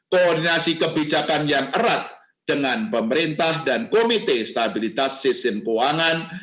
koordinasi kebijakan yang erat dengan pemerintah dan komite stabilitas sistem keuangan